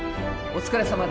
お疲れさま。